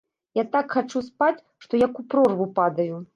Я так хачу спаць, што як у прорву падаю.